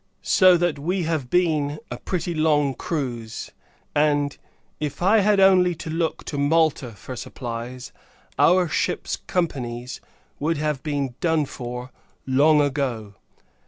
So that we have been a pretty long cruise; and, if I had only to look to Malta for supplies, our ships companies would have been done for long ago.